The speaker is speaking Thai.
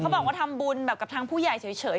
บอกว่าทำบุญแบบกับทางผู้ใหญ่เฉย